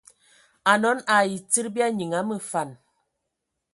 Anɔn ai tsid bya nyiŋ a məfan.